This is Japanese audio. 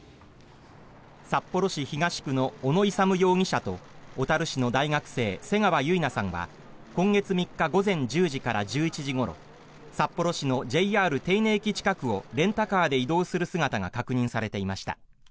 札幌市東区の小野勇容疑者と小樽市の大学生瀬川結菜さんは今月３日午前１０時から１１時ごろ札幌市のＪＲ手稲駅近くをレンタカーで移動する姿が確認されていました。